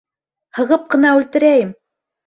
Һығып ҡына үлтерәйем!